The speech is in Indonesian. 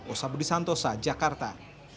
osabudi santosa jakarta